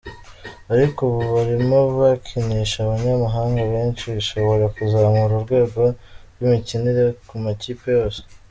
Ariko ubu barimo bakinisha abanyamahanga benshi bishobora kuzamura urwego rw’imikinire ku makipe yose.